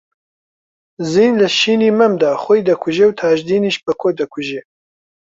زین لە شینی مەمدا خۆی دەکوژێ و تاجدینیش بەکۆ دەکوژێ